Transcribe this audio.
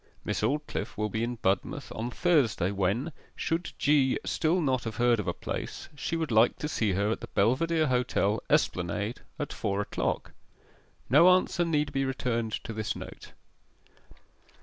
Miss Aldclyffe will be in Budmouth on Thursday, when (should G. still not have heard of a place) she would like to see her at the Belvedere Hotel, Esplanade, at four o'clock. No answer need be returned to this note.